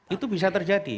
itu bisa terjadi